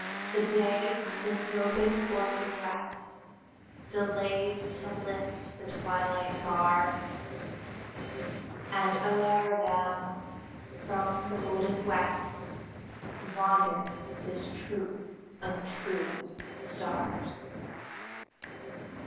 The Day, disrobing for her rest, Delayed to lift the twilight bars; And o'er them, from the golden West, Wandered this troop of truant stars.